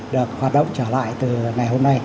được hoạt động trở lại từ ngày hôm nay